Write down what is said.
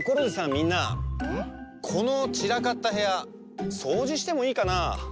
みんなこのちらかったへやそうじしてもいいかな？